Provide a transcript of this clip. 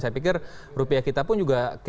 saya pikir rupiah kita pun juga kita bisa menghargai